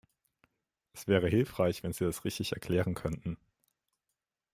Es wäre hilfreich, wenn Sie das richtig erklären könnten.